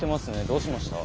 どうしました？